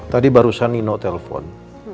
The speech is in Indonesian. tadi barusan nino telepon